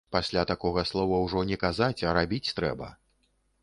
Пасля такога слова ўжо не казаць, а рабіць трэба.